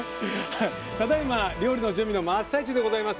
ただいま料理の準備の真っ最中でございます。